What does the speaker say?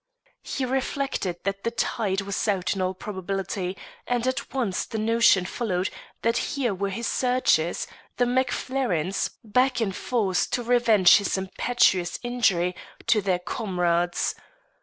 He reflected that the tide was out in all probability, and at once the notion followed that here were his searchers, the Macfarlanes, back in force to revenge his impetuous injury to their comrades.